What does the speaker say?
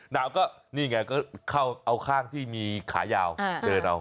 หนาวก็นี่ไงก็เข้าเอาข้างที่มีขายาวเดินเอา